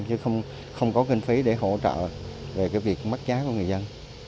chứ không có kinh phí để hỗ trợ về cái việc mất giá của người dân